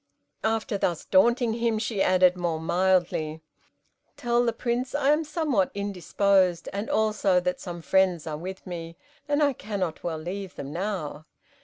After thus daunting him, she added, more mildly, "Tell the Prince I am somewhat indisposed, and also that some friends are with me, and I cannot well leave them now."